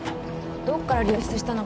どっから流出したのか